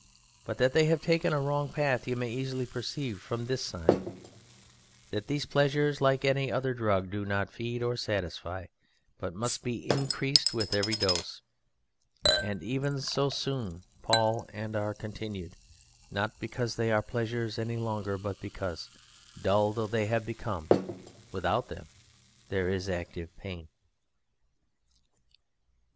But that they have taken a wrong path you may easily perceive from this sign: that these pleasures, like any other drug, do not feed or satisfy, but must be increased with every dose, and even so soon pall and are continued not because they are pleasures any longer, but because, dull though they have become, without them there is active pain.